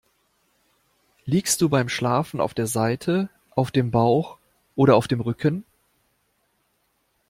Liegst du beim Schlafen auf der Seite, auf dem Bauch oder auf dem Rücken?